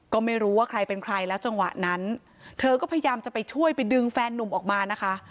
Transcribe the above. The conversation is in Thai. ก็ไม่รู้ว่าใครเป็นใครแล้วจังหวะนั้นเธอก็พยายามจะไปช่วยไปดึงแฟนนุ่มออกมานะคะ